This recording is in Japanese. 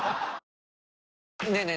ねえねえ